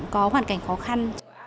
có hoàn cảnh khó khăn